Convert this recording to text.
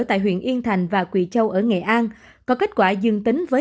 tại huyện yên thành và quỳ châu ở nghệ an có kết quả dừng tính